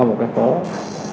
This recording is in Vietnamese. còn một cái ban hướng